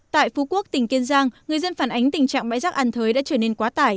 tại phú quốc tỉnh kiên giang người dân phản ánh tình trạng bãi rác an thới đã trở nên quá tải